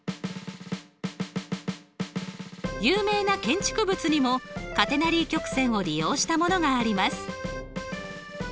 有名な建築物にもカテナリー曲線を利用したものがあります。